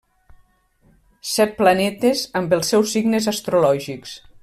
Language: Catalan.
Set planetes amb els seus signes astrològics.